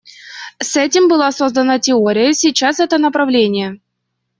С этим была создана теория, сейчас это направление.